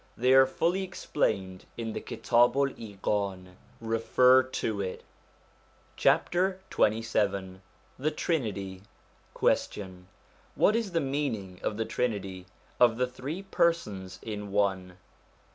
They are fully explained in the Jitabu'l Iqan : refer to it. XXVII THE TRINITY Question. What is the meaning of the Trinity, of the Three Persons in One